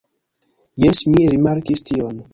Jes, mi rimarkis tion.